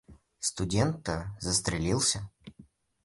— Студент-то застрелился.